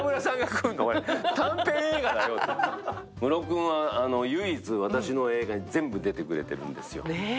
ムロ君は唯一、私の映画に全部出てくれてるんですよ。